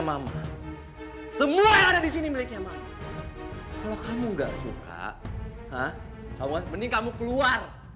mama semua yang ada di sini miliknya mama kalau kamu nggak suka hah kamu mending kamu keluar